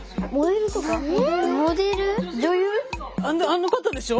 あの方でしょ？